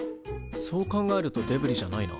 そう考えるとデブリじゃないな。